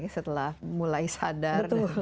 setelah mulai sadar